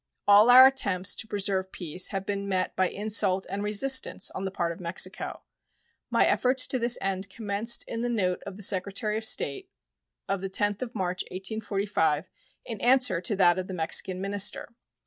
All our attempts to preserve peace have been met by insult and resistance on the part of Mexico. My efforts to this end commenced in the note of the Secretary of State of the 10th of March, 1845, in answer to that of the Mexican minister.